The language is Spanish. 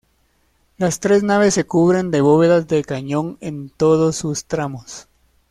Las tres naves se cubren de bóvedas de cañón en todos sus tramos.